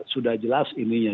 sudah jelas ininya